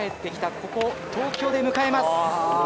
ここ、東京で迎えます。